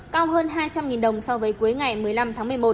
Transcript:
cao hơn hai trăm linh đồng so với cuối ngày một mươi năm tháng một mươi một